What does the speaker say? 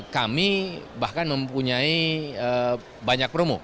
kami bahkan mempunyai banyak